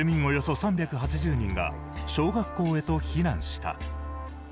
およそ３８０人が小学校へと避難した。